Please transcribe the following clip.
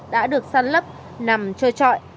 đã được sàn lấp nằm trôi trọi